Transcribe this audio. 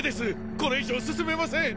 これ以上進めません！